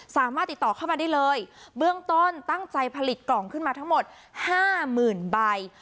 สามารถติดต่อเข้ามาได้เลยเบื้องต้นตั้งใจผลิตกล่องขึ้นมาทั้งหมดห้าหมื่นใบ